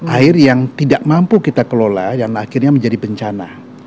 air yang tidak mampu kita kelola dan akhirnya menjadi bencana